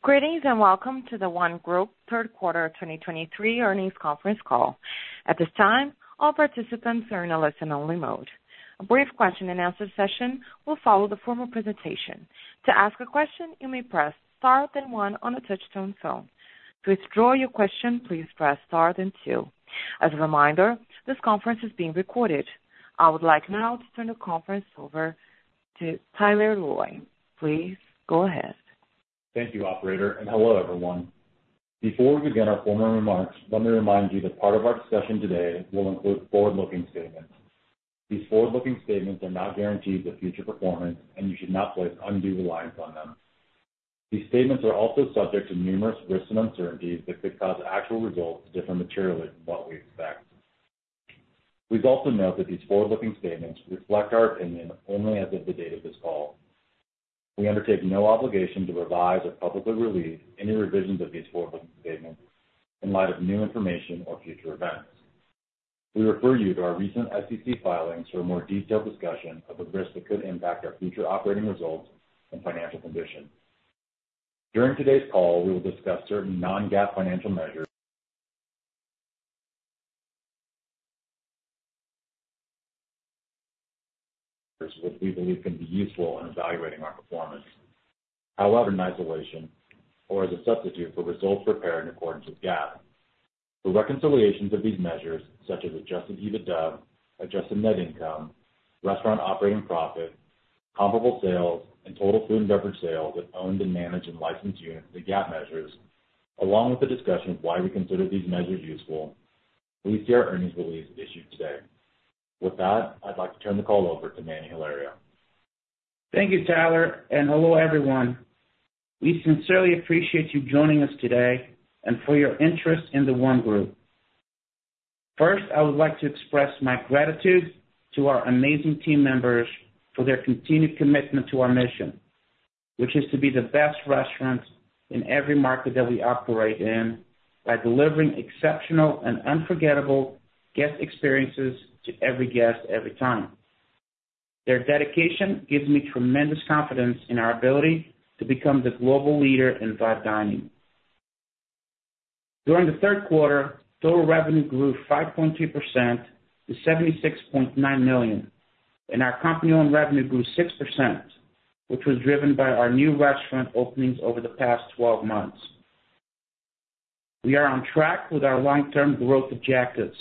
Greetings, and welcome to The ONE Group third quarter of 2023 earnings conference call. At this time, all participants are in a listen-only mode. A brief question-and-answer session will follow the formal presentation. To ask a question, you may press star then one on a touchtone phone. To withdraw your question, please press star then two. As a reminder, this conference is being recorded. I would like now to turn the conference over to Tyler Loy. Please go ahead. Thank you, operator, and hello, everyone. Before we begin our formal remarks, let me remind you that part of our discussion today will include forward-looking statements. These forward-looking statements are not guarantees of future performance, and you should not place undue reliance on them. These statements are also subject to numerous risks and uncertainties that could cause actual results to differ materially from what we expect. We'd also note that these forward-looking statements reflect our opinion only as of the date of this call. We undertake no obligation to revise or publicly release any revisions of these forward-looking statements in light of new information or future events. We refer you to our recent SEC filings for a more detailed discussion of the risks that could impact our future operating results and financial condition. During today's call, we will discuss certain Non-GAAP financial measures, which we believe can be useful in evaluating our performance. However, in isolation or as a substitute for results prepared in accordance with GAAP. The reconciliations of these measures, such as Adjusted EBITDA, adjusted net income, Restaurant Operating Profit, Comparable Sales and total food and beverage sales with owned and managed and licensed units, the GAAP measures, along with the discussion of why we consider these measures useful, please see our earnings release issued today. With that, I'd like to turn the call over to Manny Hilario. Thank you, Tyler, and hello, everyone. We sincerely appreciate you joining us today and for your interest in The ONE Group. First, I would like to express my gratitude to our amazing team members for their continued commitment to our mission, which is to be the best restaurant in every market that we operate in by delivering exceptional and unforgettable guest experiences to every guest, every time. Their dedication gives me tremendous confidence in our ability to become the global leader in fine dining. During the third quarter, total revenue grew 5.2% to $76.9 million, and our company-owned revenue grew 6%, which was driven by our new restaurant openings over the past twelve months. We are on track with our long-term growth objectives.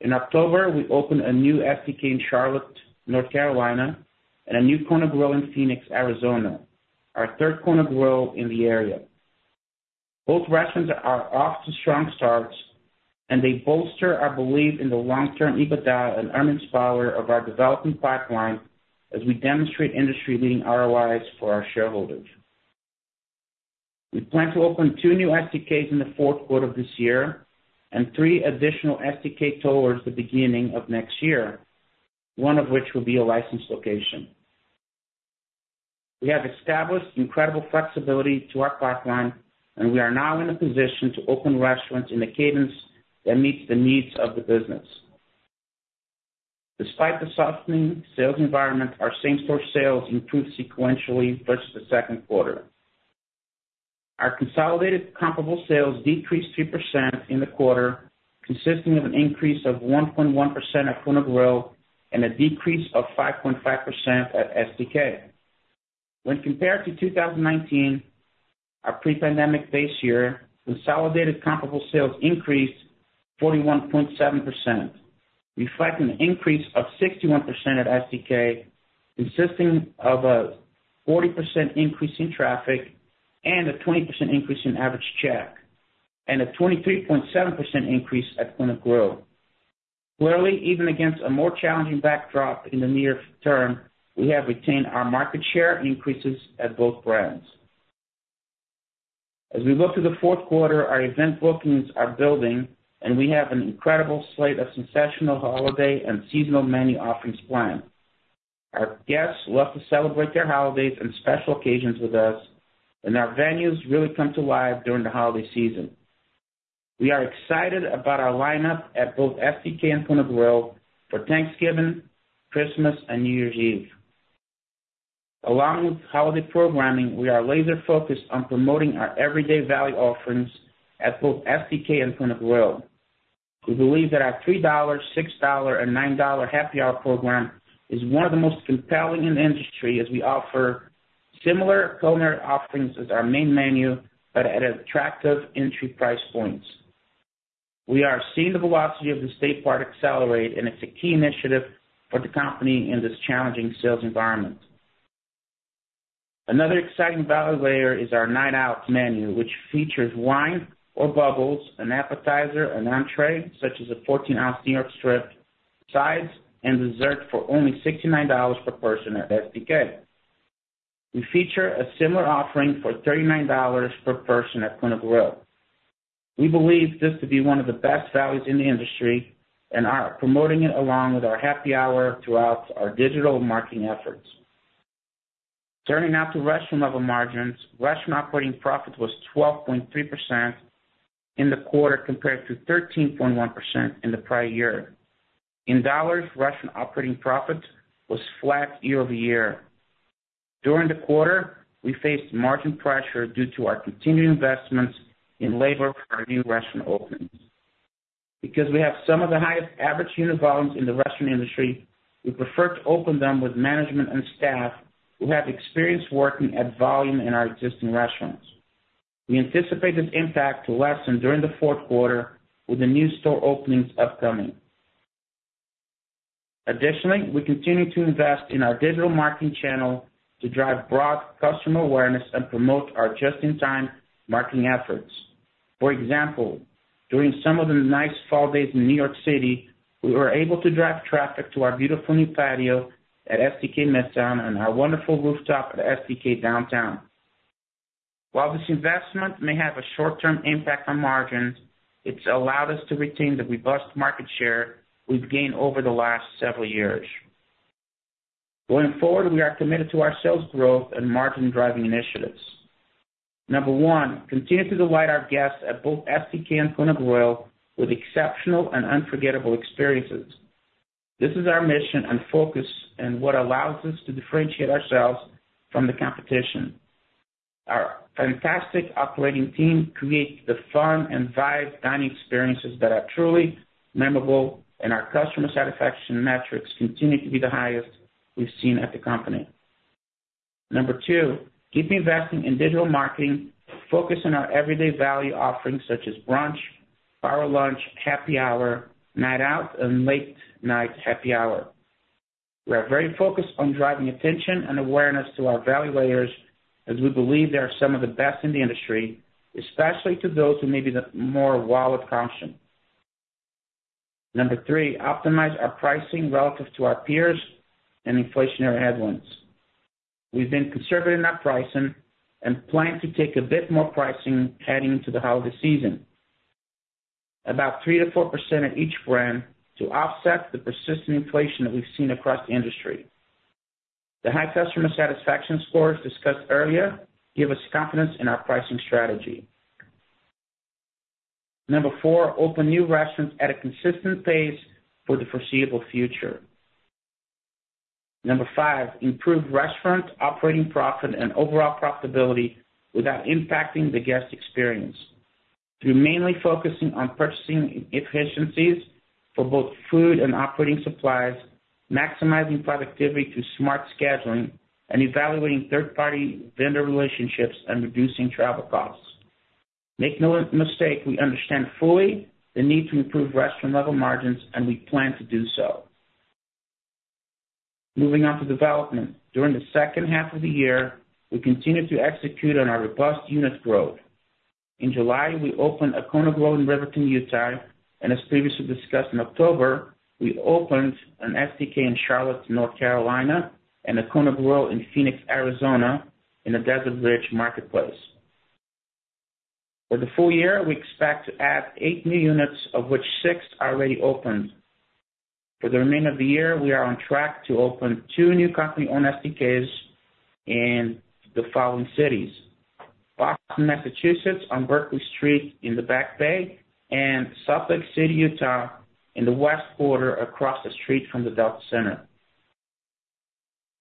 In October, we opened a new STK in Charlotte, North Carolina, and a new Kona Grill in Phoenix, Arizona, our third Kona Grill in the area. Both restaurants are off to strong starts, and they bolster our belief in the long-term EBITDA and earnings power of our developing pipeline as we demonstrate industry-leading ROIs for our shareholders. We plan to open two new STKs in the fourth quarter of this year and three additional STKs towards the beginning of next year, one of which will be a licensed location. We have established incredible flexibility to our pipeline, and we are now in a position to open restaurants in a cadence that meets the needs of the business. Despite the softening sales environment, our same-store sales improved sequentially versus the second quarter. Our consolidated comparable sales decreased 2% in the quarter, consisting of an increase of 1.1% at Kona Grill and a decrease of 5.5% at STK. When compared to 2019, our pre-pandemic base year, consolidated comparable sales increased 41.7%, reflecting an increase of 61% at STK, consisting of a 40% increase in traffic and a 20% increase in average check, and a 23.7% increase at Kona Grill. Clearly, even against a more challenging backdrop in the near term, we have retained our market share increases at both brands. As we look to the fourth quarter, our event bookings are building, and we have an incredible slate of sensational holiday and seasonal menu offerings planned. Our guests love to celebrate their holidays and special occasions with us, and our venues really come to life during the holiday season. We are excited about our lineup at both STK and Kona Grill for Thanksgiving, Christmas and New Year's Eve. Along with holiday programming, we are laser focused on promoting our everyday value offerings at both STK and Kona Grill. We believe that our $3, $6 and $9 happy hour program is one of the most compelling in the industry, as we offer similar culinary offerings as our main menu, but at attractive entry price points. We are seeing the velocity of this happy hour accelerate, and it's a key initiative for the company in this challenging sales environment. Another exciting value layer is our Night Out menu, which features wine or bubbles, an appetizer and entree, such as a 14-ounce New York strip, sides and dessert for only $69 per person at STK. We feature a similar offering for $39 per person at Kona Grill. We believe this to be one of the best values in the industry and are promoting it along with our happy hour throughout our digital marketing efforts. Turning now to restaurant level margins. Restaurant operating profit was 12.3% in the quarter, compared to 13.1% in the prior year....In dollars, restaurant operating profit was flat year-over-year. During the quarter, we faced margin pressure due to our continued investments in labor for our new restaurant openings. Because we have some of the highest average unit volumes in the restaurant industry, we prefer to open them with management and staff who have experience working at volume in our existing restaurants. We anticipate this impact to lessen during the fourth quarter with the new store openings upcoming. Additionally, we continue to invest in our digital marketing channel to drive broad customer awareness and promote our just-in-time marketing efforts. For example, during some of the nice fall days in New York City, we were able to drive traffic to our beautiful new patio at STK Midtown and our wonderful rooftop at STK Downtown. While this investment may have a short-term impact on margins, it's allowed us to retain the robust market share we've gained over the last several years. Going forward, we are committed to our sales growth and margin-driving initiatives. Number one, continue to delight our guests at both STK and Kona Grill with exceptional and unforgettable experiences. This is our mission and focus, and what allows us to differentiate ourselves from the competition. Our fantastic operating team create the fun and Vibe Dining experiences that are truly memorable, and our customer satisfaction metrics continue to be the highest we've seen at the company. Number two, keep investing in digital marketing, focus on our everyday value offerings such as brunch, power lunch, happy hour, Night Out, and late night happy hour. We are very focused on driving attention and awareness to our value layers, as we believe they are some of the best in the industry, especially to those who may be the more wallet-conscious. Number three, optimize our pricing relative to our peers and inflationary headwinds. We've been conservative in our pricing and plan to take a bit more pricing heading into the holiday season, about 3%-4% at each brand, to offset the persistent inflation that we've seen across the industry. The high customer satisfaction scores discussed earlier give us confidence in our pricing strategy. Number 4, open new restaurants at a consistent pace for the foreseeable future. Number 5, improve restaurant operating profit and overall profitability without impacting the guest experience, through mainly focusing on purchasing efficiencies for both food and operating supplies, maximizing productivity through smart scheduling, and evaluating third-party vendor relationships and reducing travel costs. Make no mistake, we understand fully the need to improve restaurant level margins, and we plan to do so. Moving on to development. During the second half of the year, we continued to execute on our robust unit growth. In July, we opened a Kona Grill in Riverton, Utah, and as previously discussed, in October, we opened an STK in Charlotte, North Carolina, and a Kona Grill in Phoenix, Arizona, in the Desert Ridge Marketplace. For the full year, we expect to add eight new units, of which six are already opened. For the remainder of the year, we are on track to open two new company-owned STKs in the following cities: Boston, Massachusetts, on Berkeley Street in the Back Bay, and Salt Lake City, Utah, in the West Quarter, across the street from the Delta Center.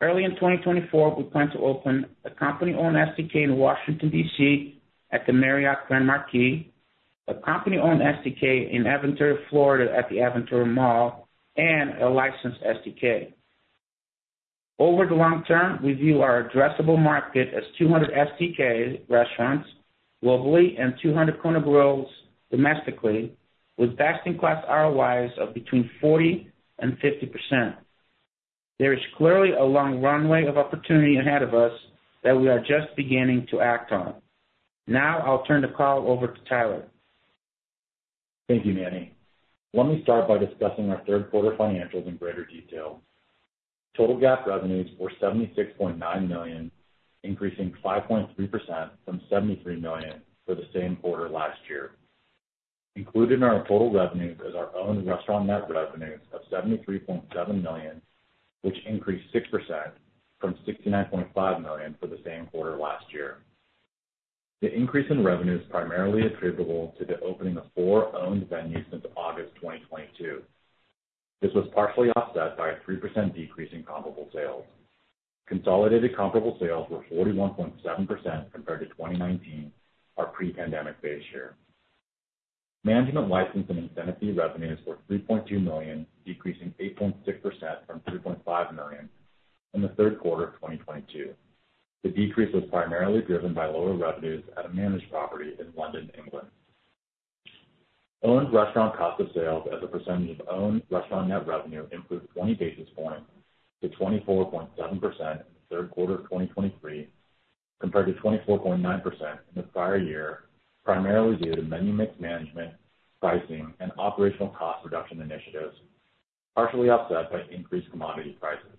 Early in 2024, we plan to open a company-owned STK in Washington, DC, at the Marriott Grand Marquis, a company-owned STK in Aventura, Florida, at the Aventura Mall, and a licensed STK. Over the long term, we view our addressable market as 200 STK restaurants globally and 200 Kona Grills domestically, with best-in-class ROIs of between 40% and 50%. There is clearly a long runway of opportunity ahead of us that we are just beginning to act on. Now I'll turn the call over to Tyler. Thank you, Manny. Let me start by discussing our third quarter financials in greater detail. Total GAAP revenues were $76.9 million, increasing 5.3% from $73 million for the same quarter last year. Included in our total revenue is our own restaurant net revenue of $73.7 million, which increased 6% from $69.5 million for the same quarter last year. The increase in revenue is primarily attributable to the opening of four owned venues since August 2022. This was partially offset by a 3% decrease in comparable sales. Consolidated comparable sales were 41.7% compared to 2019, our pre-pandemic base year. Management license and incentive fee revenues were $3.2 million, decreasing 8.6% from $3.5 million in the third quarter of 2022. The decrease was primarily driven by lower revenues at a managed property in London, England. Owned restaurant cost of sales as a percentage of owned restaurant net revenue improved 20 basis points to 24.7% in the third quarter of 2023, compared to 24.9% in the prior year, primarily due to menu mix management, pricing, and operational cost reduction initiatives, partially offset by increased commodity prices.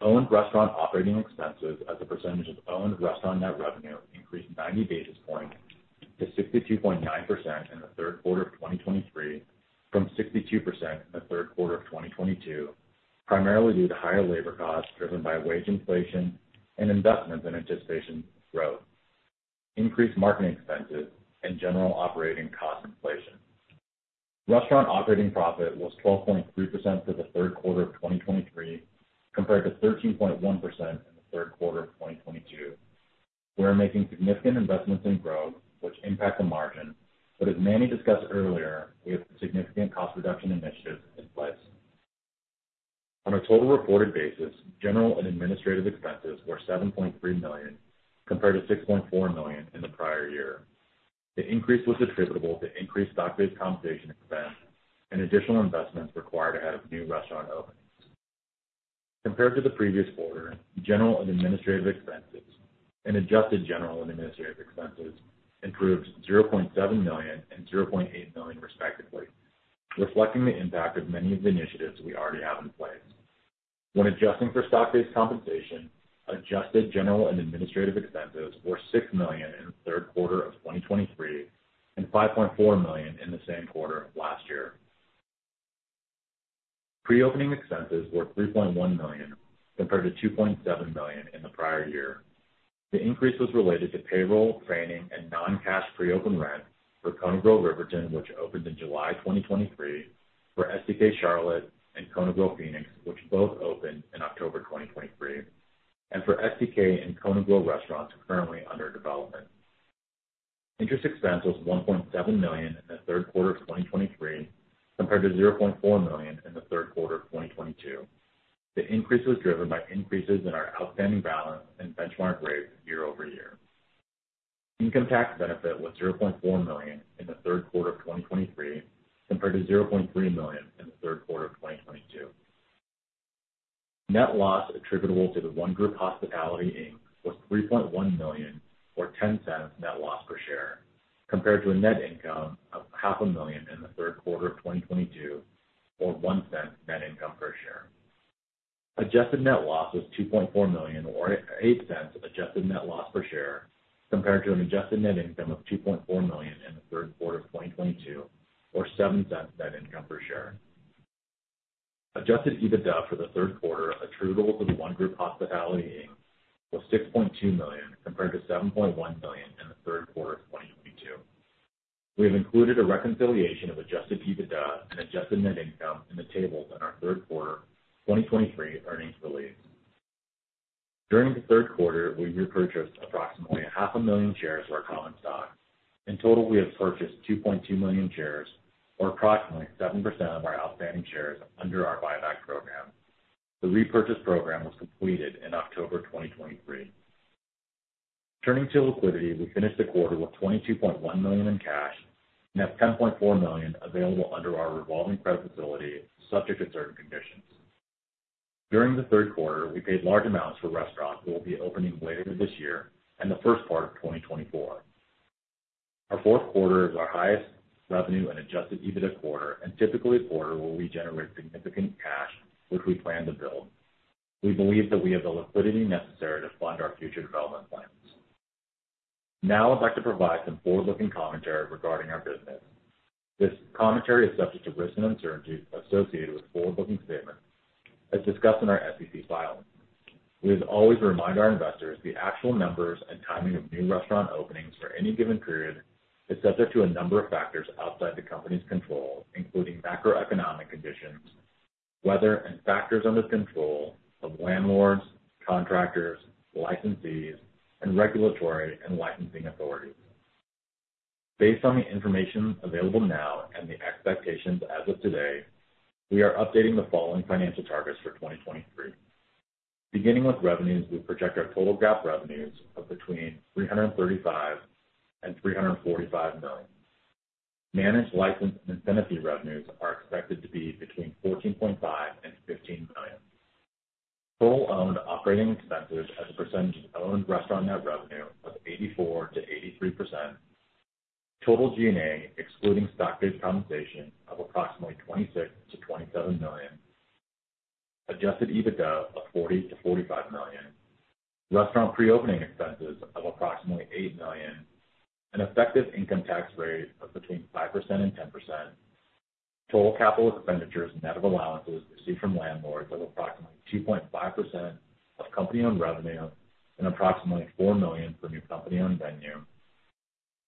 Owned restaurant operating expenses as a percentage of owned restaurant net revenue increased 90 basis points to 62.9% in the third quarter of 2023, from 62% in the third quarter of 2022, primarily due to higher labor costs driven by wage inflation and investments in anticipation growth, increased marketing expenses, and general operating cost inflation. Restaurant operating profit was 12.3% for the third quarter of 2023, compared to 13.1% in the third quarter of 2022. We are making significant investments in growth, which impact the margin, but as Manny discussed earlier, we have significant cost reduction initiatives in place. On a total reported basis, general and administrative expenses were $7.3 million, compared to $6.4 million in the prior year. The increase was attributable to increased stock-based compensation expense and additional investments required to have new restaurant openings. Compared to the previous quarter, general and administrative expenses and adjusted general and administrative expenses improved $0.7 million and $0.8 million, respectively, reflecting the impact of many of the initiatives we already have in place. When adjusting for stock-based compensation, adjusted general and administrative expenses were $6 million in the third quarter of 2023 and $5.4 million in the same quarter of last year. Pre-opening expenses were $3.1 million, compared to $2.7 million in the prior year. The increase was related to payroll, training, and non-cash pre-open rent for Kona Grill Riverton, which opened in July 2023, for STK Charlotte and Kona Grill Phoenix, which both opened in October 2023, and for STK and Kona Grill restaurants currently under development. Interest expense was $1.7 million in the third quarter of 2023, compared to $0.4 million in the third quarter of 2022. The increase was driven by increases in our outstanding balance and benchmark rates year-over-year. Income tax benefit was $0.4 million in the third quarter of 2023, compared to $0.3 million in the third quarter of 2022. Net loss attributable to The ONE Group Hospitality, Inc., was $3.1 million, or $0.10 net loss per share, compared to a net income of $0.5 million in the third quarter of 2022, or $0.01 net income per share. Adjusted net loss was $2.4 million, or $0.08 adjusted net loss per share, compared to an adjusted net income of $2.4 million in the third quarter of 2022, or $0.07 net income per share. Adjusted EBITDA for the third quarter attributable to The ONE Group Hospitality, Inc., was $6.2 million, compared to $7.1 million in the third quarter of 2022. We have included a reconciliation of Adjusted EBITDA and adjusted net income in the tables in our third quarter 2023 earnings release. During the third quarter, we repurchased approximately 500,000 shares of our common stock. In total, we have purchased 2.2 million shares, or approximately 7% of our outstanding shares under our buyback program. The repurchase program was completed in October 2023. Turning to liquidity, we finished the quarter with $22.1 million in cash and have $10.4 million available under our revolving credit facility, subject to certain conditions. During the third quarter, we paid large amounts for restaurants that will be opening later this year and the first part of 2024. Our fourth quarter is our highest revenue and Adjusted EBITDA quarter, and typically a quarter where we generate significant cash, which we plan to build. We believe that we have the liquidity necessary to fund our future development plans. Now I'd like to provide some forward-looking commentary regarding our business. This commentary is subject to risks and uncertainties associated with forward-looking statements, as discussed in our SEC filing. We always remind our investors the actual numbers and timing of new restaurant openings for any given period is subject to a number of factors outside the company's control, including macroeconomic conditions, weather, and factors under the control of landlords, contractors, licensees, and regulatory and licensing authorities. Based on the information available now and the expectations as of today, we are updating the following financial targets for 2023. Beginning with revenues, we project our total GAAP revenues of between $335 million and $345 million. Managed license and incentive revenues are expected to be between $14.5 billion and $15 billion. Full owned operating expenses as a percentage of owned restaurant net revenue of 84%-83%. Total G&A, excluding stock-based compensation, of approximately $26 million-$27 million. Adjusted EBITDA of $40 million-$45 million. Restaurant pre-opening expenses of approximately $8 million. An effective income tax rate of between 5% and 10%. Total capital expenditures net of allowances received from landlords of approximately 2.5% of company-owned revenue and approximately $4 million for new company-owned venue.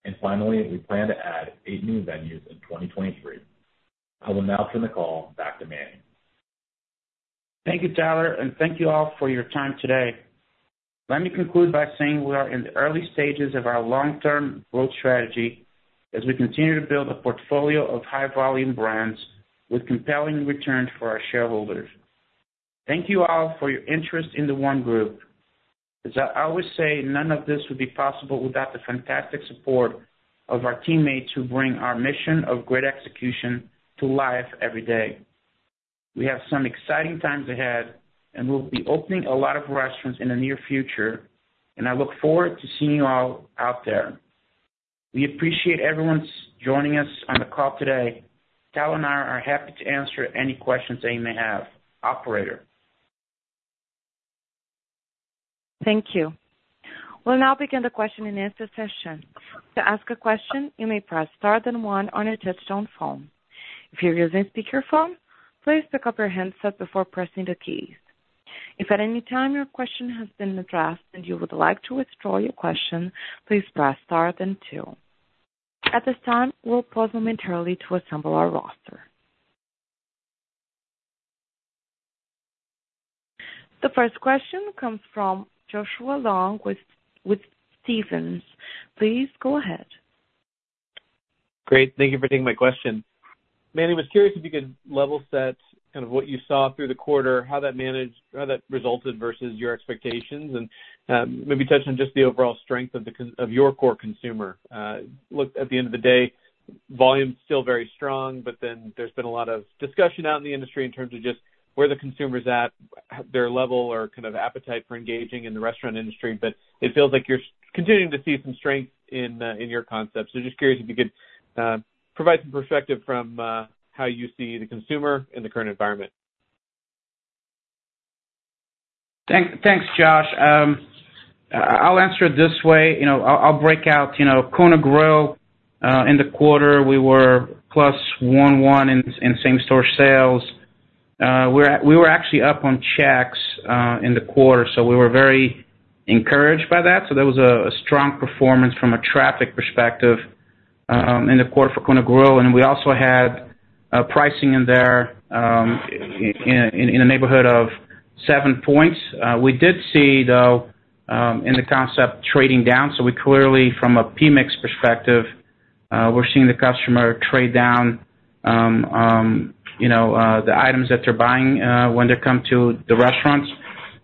And finally, we plan to add 8 new venues in 2023. I will now turn the call back to Manny. Thank you, Tyler, and thank you all for your time today. Let me conclude by saying we are in the early stages of our long-term growth strategy as we continue to build a portfolio of high-volume brands with compelling returns for our shareholders. Thank you all for your interest in The ONE Group. As I always say, none of this would be possible without the fantastic support of our teammates who bring our mission of great execution to life every day. We have some exciting times ahead, and we'll be opening a lot of restaurants in the near future, and I look forward to seeing you all out there. We appreciate everyone's joining us on the call today. Tyler and I are happy to answer any questions that you may have. Operator? Thank you. We'll now begin the question and answer session. To ask a question, you may press star then one on your touchtone phone. If you're using a speakerphone, please pick up your handset before pressing the key.... If at any time your question has been addressed and you would like to withdraw your question, please press star then two. At this time, we'll pause momentarily to assemble our roster. The first question comes from Joshua Long with Stephens. Please go ahead. Great. Thank you for taking my question. Manny, was curious if you could level set kind of what you saw through the quarter, how that managed, how that resulted versus your expectations, and maybe touch on just the overall strength of your core consumer. Look, at the end of the day, volume is still very strong, but then there's been a lot of discussion out in the industry in terms of just where the consumer is at, their level or kind of appetite for engaging in the restaurant industry. But it feels like you're continuing to see some strength in your concept. So just curious if you could provide some perspective from how you see the consumer in the current environment. Thanks, Josh. I'll answer it this way, you know, I'll break out. You know, Kona Grill, in the quarter, we were +1.1 in same-store sales. We were actually up on checks in the quarter, so we were very encouraged by that. So there was a strong performance from a traffic perspective in the quarter for Kona Grill, and we also had pricing in there in a neighborhood of 7 points. We did see, though, in the concept, trading down, so we clearly from a PMIX perspective, we're seeing the customer trade down, you know, the items that they're buying when they come to the restaurants.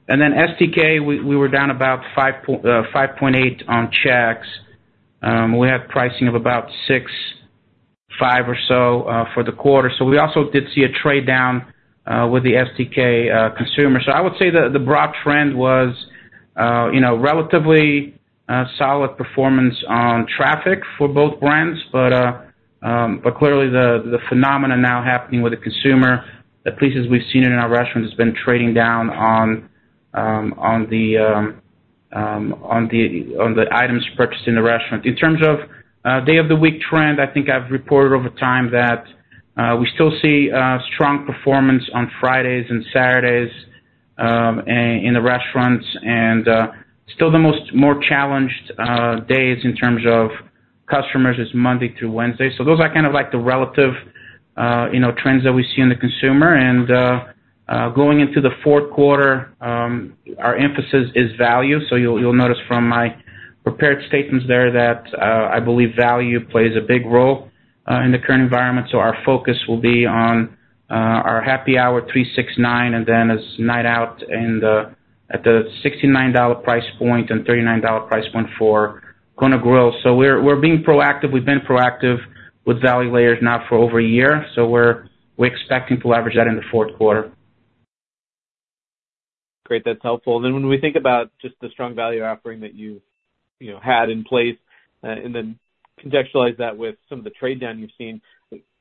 And then STK, we were down about 5.8 on checks. We had pricing of about 6.5 or so for the quarter. So we also did see a trade-down with the STK consumer. So I would say the broad trend was, you know, relatively solid performance on traffic for both brands. But clearly, the phenomenon now happening with the consumer, at least as we've seen it in our restaurants, has been trading down on the items purchased in the restaurant. In terms of day of the week trend, I think I've reported over time that we still see strong performance on Fridays and Saturdays in the restaurants, and still the most challenged days in terms of customers is Monday through Wednesday. So those are kind of like the relative, you know, trends that we see in the consumer. Going into the fourth quarter, our emphasis is value. So you'll notice from my prepared statements there that I believe value plays a big role in the current environment. So our focus will be on our happy hour, 3-6-9, and then our Night Out and at the $69 price point and $39 price point for Kona Grill. So we're being proactive. We've been proactive with value layers now for over a year, so we're expecting to leverage that in the fourth quarter. Great. That's helpful. Then when we think about just the strong value offering that you've, you know, had in place, and then contextualize that with some of the trade-down you've seen,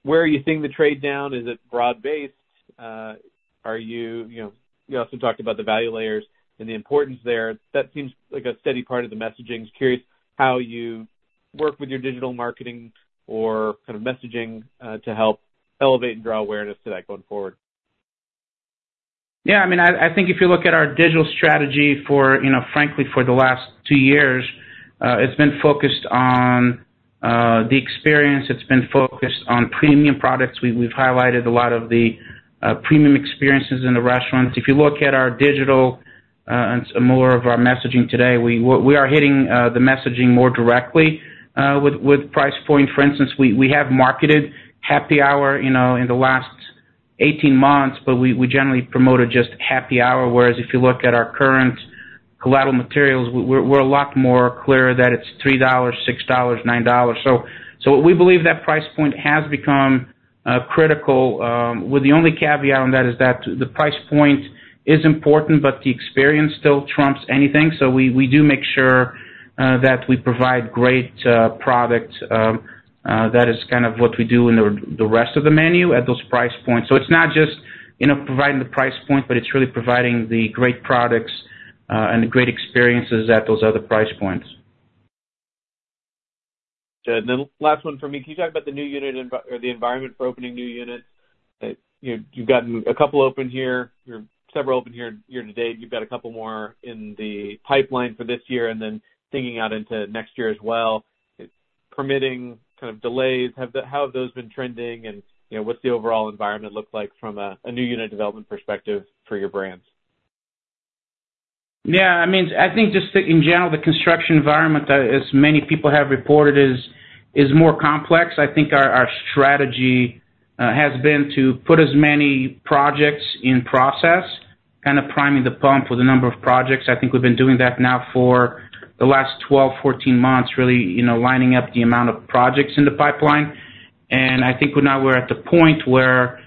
where are you seeing the trade-down? Is it broad-based? Are you, you know, you also talked about the value layers and the importance there. That seems like a steady part of the messaging. Just curious how you work with your digital marketing or kind of messaging, to help elevate and draw awareness to that going forward. Yeah, I mean, I think if you look at our digital strategy for, you know, frankly, for the last two years, it's been focused on the experience. It's been focused on premium products. We've highlighted a lot of the premium experiences in the restaurants. If you look at our digital and more of our messaging today, we are hitting the messaging more directly with price point. For instance, we have marketed happy hour, you know, in the last 18 months, but we generally promoted just happy hour. Whereas if you look at our current collateral materials, we're a lot more clear that it's $3, $6, $9. So, we believe that price point has become critical, with the only caveat on that is that the price point is important, but the experience still trumps anything. So we do make sure that we provide great product. That is kind of what we do in the rest of the menu at those price points. So it's not just, you know, providing the price point, but it's really providing the great products and the great experiences at those other price points. Good. Then last one for me. Can you talk about the new unit environment for opening new units? You, you've gotten a couple open here, or several open here year to date. You've got a couple more in the pipeline for this year and then thinking out into next year as well. Permitting kind of delays, how have those been trending, and, you know, what's the overall environment look like from a, a new unit development perspective for your brands? Yeah, I mean, I think just in general, the construction environment, as many people have reported, is more complex. I think our strategy has been to put as many projects in process, kind of priming the pump with a number of projects. I think we've been doing that now for the last 12 months, 14 months, really, you know, lining up the amount of projects in the pipeline. And I think we're now at the point where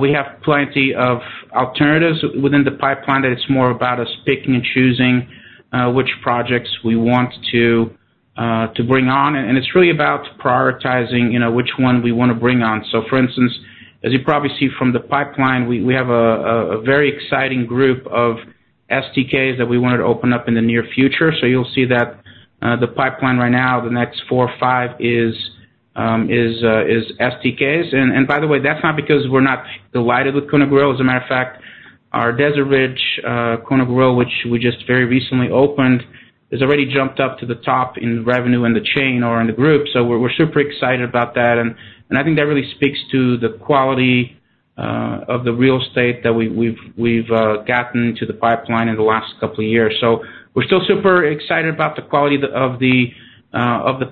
we have plenty of alternatives within the pipeline, that it's more about us picking and choosing which projects we want to bring on. And it's really about prioritizing, you know, which one we want to bring on. So for instance, as you probably see from the pipeline, we have a very exciting group of STKs that we wanted to open up in the near future. So you'll see that the pipeline right now, the next four or five is STKs. And by the way, that's not because we're not delighted with Kona Grill. As a matter of fact, our Desert Ridge Kona Grill, which we just very recently opened, has already jumped up to the top in revenue in the chain or in the group. So we're super excited about that, and I think that really speaks to the quality of the real estate that we have gotten to the pipeline in the last couple of years. So we're still super excited about the quality of the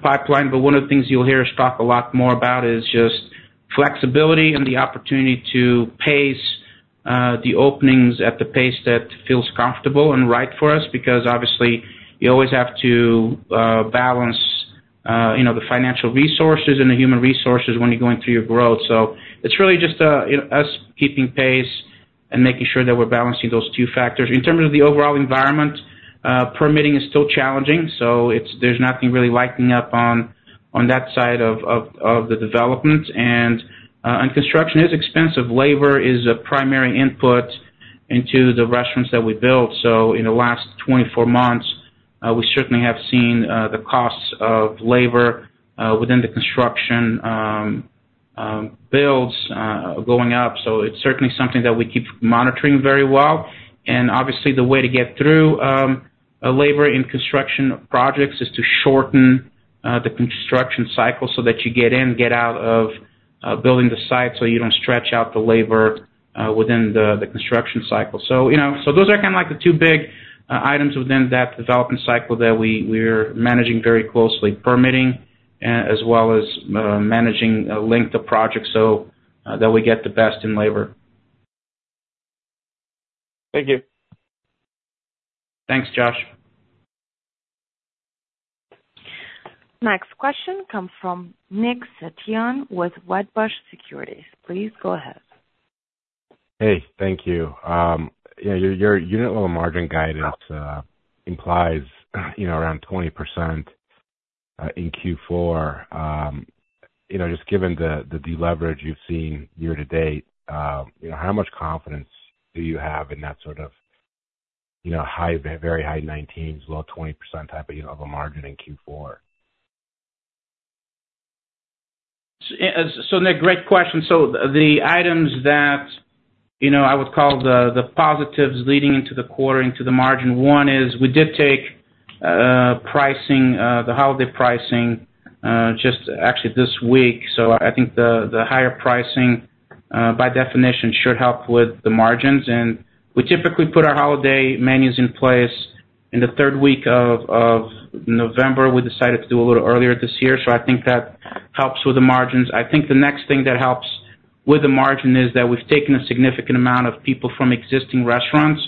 pipeline, but one of the things you'll hear us talk a lot more about is just flexibility and the opportunity to pace the openings at the pace that feels comfortable and right for us. Because, obviously, you always have to balance you know, the financial resources and the human resources when you're going through your growth. So it's really just you know, us keeping pace and making sure that we're balancing those two factors. In terms of the overall environment, permitting is still challenging, so it's—there's nothing really lightening up on that side of the development. And construction is expensive. Labor is a primary input into the restaurants that we build. So in the last 24 months, we certainly have seen the costs of labor within the construction builds going up. So it's certainly something that we keep monitoring very well. And obviously, the way to get through a labor in construction projects is to shorten the construction cycle so that you get in, get out of building the site, so you don't stretch out the labor within the construction cycle. So, you know, so those are kind of, like, the two big items within that development cycle that we're managing very closely. Permitting, as well as managing the length of projects so that we get the best in labor. Thank you. Thanks, Josh. Next question comes from Nick Setyan with Wedbush Securities. Please go ahead. Hey, thank you. Yeah, your unit level margin guidance implies, you know, around 20% in Q4. You know, just given the deleverage you've seen year-to-date, you know, how much confidence do you have in that sort of, you know, high, very high 19s, low 20% type of, you know, of a margin in Q4? So, Nick, great question. So the items that, you know, I would call the, the positives leading into the quarter, into the margin, one is we did take, pricing, the holiday pricing, just actually this week. So I think the, the higher pricing, by definition, should help with the margins. And we typically put our holiday menus in place in the third week of, of November. We decided to do a little earlier this year, so I think that helps with the margins. I think the next thing that helps with the margin is that we've taken a significant amount of people from existing restaurants,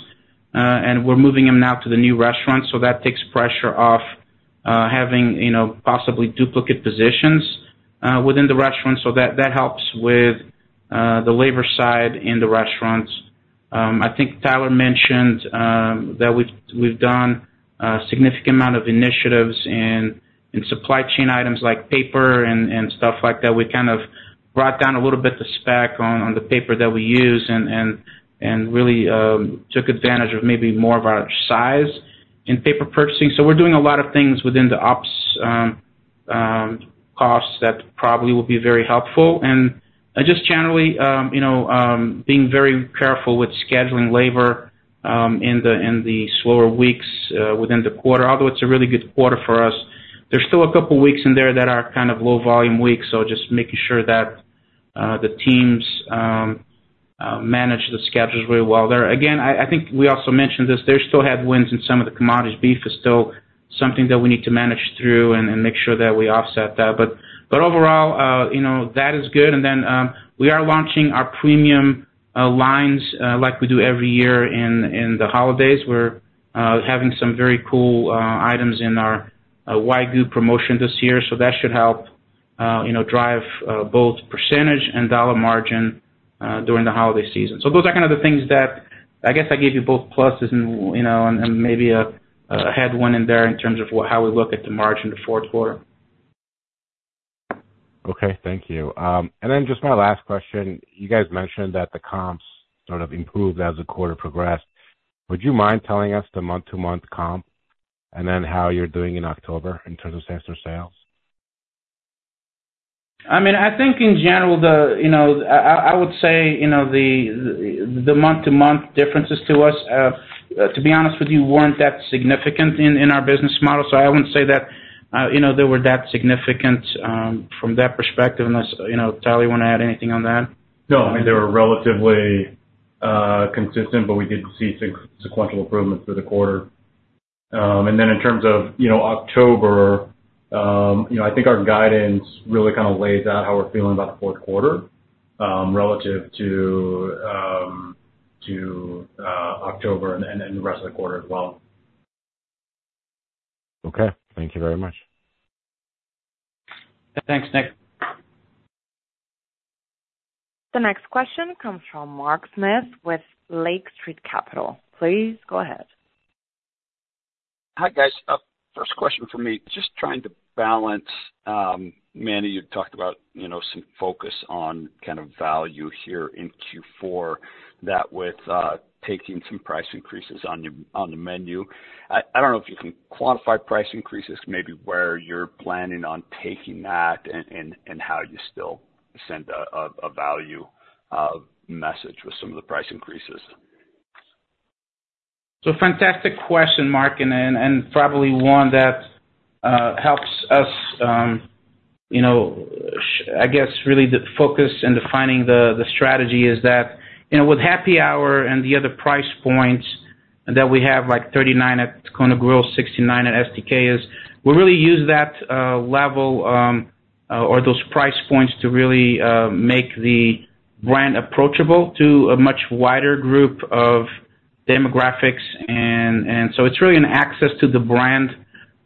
and we're moving them now to the new restaurants. So that takes pressure off, having, you know, possibly duplicate positions, within the restaurant. So that, that helps with, the labor side in the restaurants. I think Tyler mentioned that we've done a significant amount of initiatives in supply chain items like paper and stuff like that. We kind of brought down a little bit the spec on the paper that we use and really took advantage of maybe more of our size in paper purchasing. So we're doing a lot of things within the ops costs that probably will be very helpful. And just generally, you know, being very careful with scheduling labor in the slower weeks within the quarter, although it's a really good quarter for us. There's still a couple weeks in there that are kind of low volume weeks, so just making sure that the teams manage the schedules really well there. Again, I think we also mentioned this, there's still headwinds in some of the commodities. Beef is still something that we need to manage through and make sure that we offset that. But overall, you know, that is good. And then, we are launching our premium lines, like we do every year in the holidays. We're having some very cool items in our Wagyu promotion this year, so that should help, you know, drive both percentage and dollar margin during the holiday season. So those are kind of the things that I guess I gave you both pluses and, you know, and maybe a headwind in there in terms of what- how we look at the margin in the fourth quarter. Okay, thank you. And then just my last question, you guys mentioned that the comps sort of improved as the quarter progressed. Would you mind telling us the month-to-month comp and then how you're doing in October in terms of same-store sales? I mean, I think in general. You know, I would say, you know, the month-to-month differences to us, to be honest with you, weren't that significant in our business model. So I wouldn't say that, you know, they were that significant from that perspective. Unless, you know, Tyler, you wanna add anything on that? No, I mean, they were relatively consistent, but we did see sequential improvement through the quarter. In terms of, you know, October, you know, I think our guidance really kind of lays out how we're feeling about the fourth quarter, relative to, to, October and then, and the rest of the quarter as well. Okay, thank you very much. Thanks, Nick. The next question comes from Mark Smith with Lake Street Capital. Please go ahead. Hi, guys. First question for me, just trying to balance, Manny, you talked about, you know, some focus on kind of value here in Q4, that with taking some price increases on your menu. I don't know if you can quantify price increases, maybe where you're planning on taking that and how you still send a value message with some of the price increases? So fantastic question, Mark, and probably one that helps us, you know, I guess really the focus in defining the strategy is that, you know, with happy hour and the other price points that we have, like $39 at Kona Grill, $69 at STK, is we really use that level or those price points to really make the brand approachable to a much wider group of demographics. And so it's really an access to the brand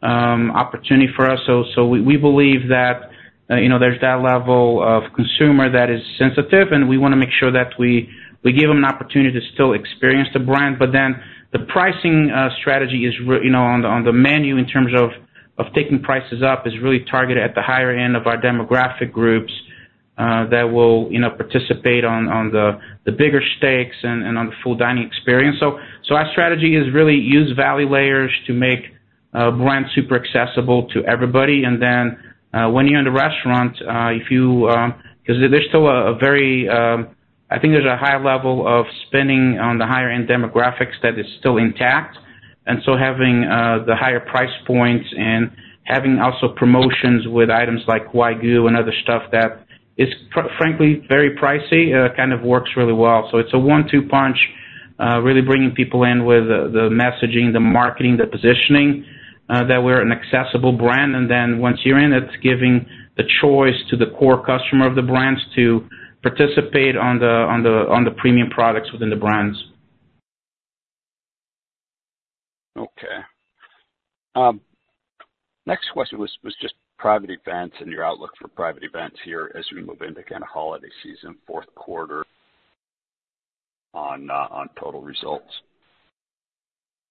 opportunity for us. So we believe that, you know, there's that level of consumer that is sensitive, and we wanna make sure that we give them an opportunity to still experience the brand. But then the pricing strategy is, you know, on the menu in terms of taking prices up, is really targeted at the higher end of our demographic groups that will, you know, participate on the bigger steaks and on the full dining experience. So our strategy is really to use value layers to make the brand super accessible to everybody. And then when you're in the restaurant, if you... Because there's still a very, I think there's a high level of spending on the higher end demographics that is still intact. And so having the higher price points and having also promotions with items like Wagyu and other stuff that is frankly very pricey kind of works really well. It's a one-two punch, really bringing people in with the messaging, the marketing, the positioning that we're an accessible brand. Then once you're in, it's giving the choice to the core customer of the brands to participate on the premium products within the brands. Okay. Next question was just private events and your outlook for private events here as we move into kind of holiday season, fourth quarter on total results.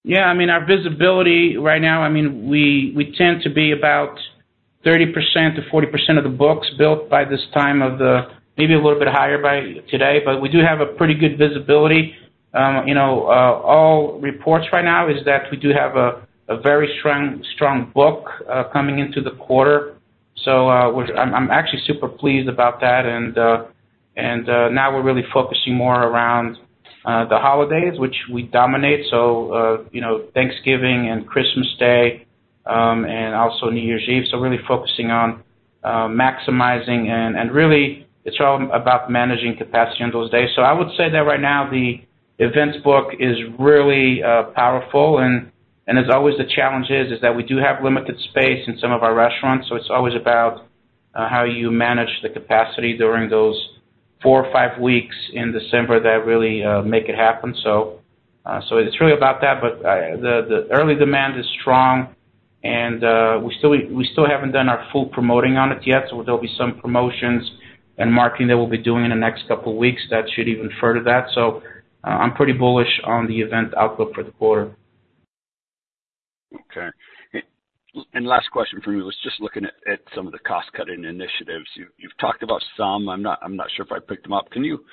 Yeah, I mean, our visibility right now, I mean, we tend to be about 30%-40% of the books built by this time of the... Maybe a little bit higher by today, but we do have a pretty good visibility. You know, all reports right now is that we do have a very strong book coming into the quarter. So, which I'm actually super pleased about that, and now we're really focusing more around the holidays, which we dominate, so you know, Thanksgiving and Christmas Day, and also New Year's Eve. So really focusing on maximizing and really it's all about managing capacity on those days. So I would say that right now the events book is really powerful and as always the challenge is that we do have limited space in some of our restaurants, so it's always about how you manage the capacity during those four or five weeks in December that really make it happen. So it's really about that. But the early demand is strong, and we still haven't done our full promoting on it yet, so there'll be some promotions and marketing that we'll be doing in the next couple of weeks that should even further that. So I'm pretty bullish on the event outlook for the quarter. Okay. And last question from me was just looking at some of the cost-cutting initiatives. You've talked about some. I'm not sure if I picked them up. Can you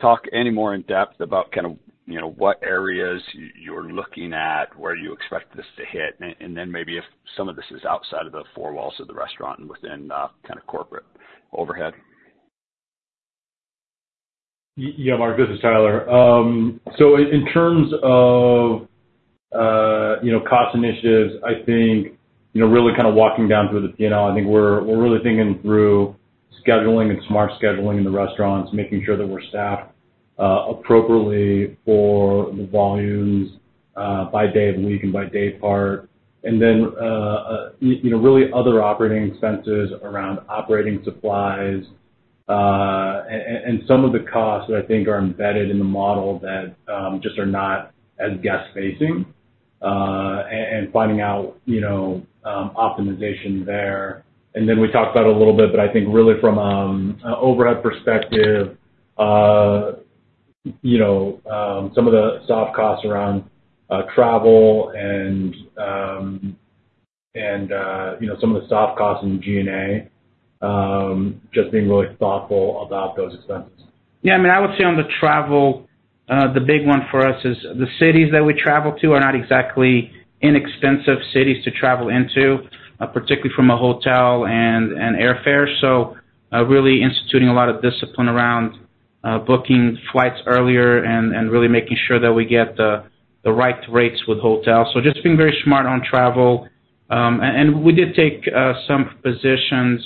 talk any more in depth about kind of, you know, what areas you're looking at, where you expect this to hit? And then maybe if some of this is outside of the four walls of the restaurant and within kind of corporate overhead. Yeah, Mark, this is Tyler. So in terms of, you know, cost initiatives, I think, you know, really kind of walking down through the P&L, I think we're really thinking through scheduling and smart scheduling in the restaurants, making sure that we're staffed appropriately for the volumes by day of the week and by day part. And then, you know, really other operating expenses around operating supplies, and some of the costs that I think are embedded in the model that just are not as guest-facing, and finding out, you know, optimization there. And then we talked about a little bit, but I think really from an overhead perspective, you know, some of the soft costs around travel and you know, some of the soft costs in G&A, just being really thoughtful about those expenses. Yeah, I mean, I would say on the travel, the big one for us is the cities that we travel to are not exactly inexpensive cities to travel into, particularly from a hotel and airfare. So, really instituting a lot of discipline around booking flights earlier and really making sure that we get the right rates with hotels. So just being very smart on travel. And we did take some positions,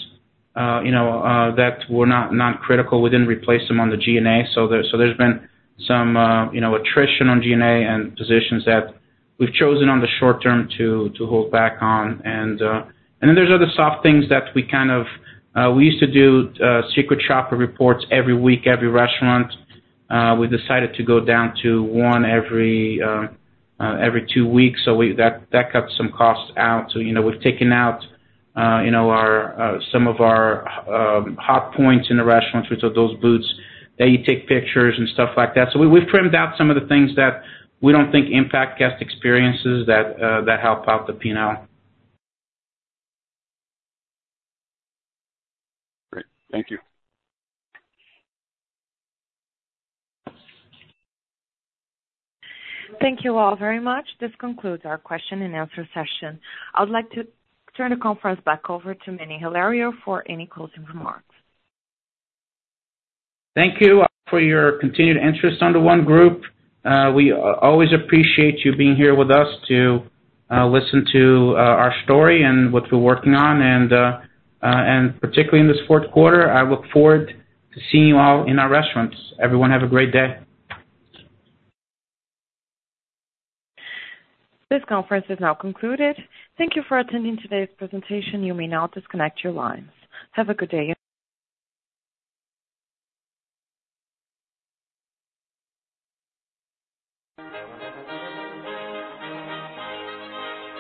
you know, that were not critical. We didn't replace them on the G&A, so there's been some, you know, attrition on G&A and positions that we've chosen on the short term to hold back on. And then there's other soft things that we kind of used to do, secret shopper reports every week, every restaurant. We decided to go down to one every two weeks, so that cut some costs out. So, you know, we've taken out, you know, some of our hot spots in the restaurants, which are those booths that you take pictures and stuff like that. So we've trimmed out some of the things that we don't think impact guest experiences that help out the P&L. Great. Thank you. Thank you all very much. This concludes our question and answer session. I would like to turn the conference back over to Manny Hilario for any closing remarks. Thank you for your continued interest on The ONE Group. We always appreciate you being here with us to listen to our story and what we're working on. And particularly in this fourth quarter, I look forward to seeing you all in our restaurants. Everyone, have a great day. This conference is now concluded. Thank you for attending today's presentation. You may now disconnect your lines. Have a good day.